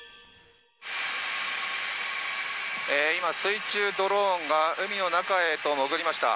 今、水中ドローンが、海の中へと潜りました。